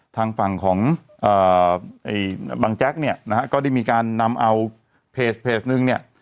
ทางฝั่งของบังแจ๊กเนี่ยนะฮะก็ได้มีการนำเอาเพจนึงเนี่ย